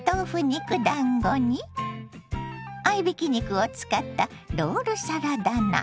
肉だんごに合いびき肉を使ったロールサラダ菜。